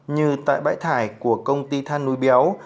như tại bãi thải của công ty than núi béo